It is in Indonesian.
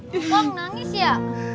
pernah nangis ya